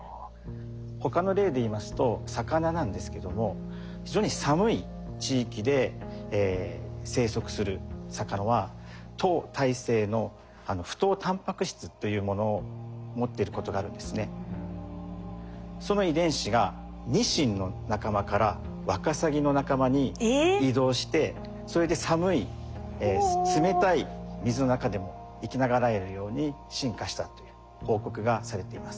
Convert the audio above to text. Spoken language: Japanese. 他の例で言いますと魚なんですけどもその遺伝子がニシンの仲間からワカサギの仲間に移動してそれで寒い冷たい水の中でも生き長らえるように進化したという報告がされています。